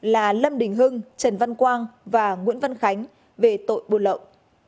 là lâm đình hưng trần văn quang và nguyễn văn khánh về tội buôn lậu